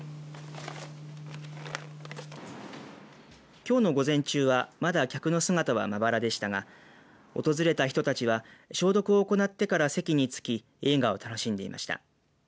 きょうの午前中は、まだ客の姿はまばらでしたが訪れた人たちは消毒を行ってから席につき映画を楽しんでいました。